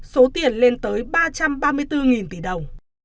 số tiền lên tới ba trăm ba mươi bốn tỷ đồng